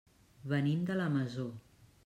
Venim de la Masó.